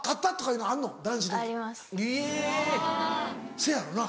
せやろな。